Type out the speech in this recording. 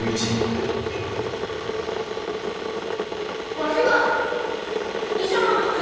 わしは医者の息子ですき。